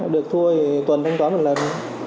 được thôi tuấn thanh toán một lần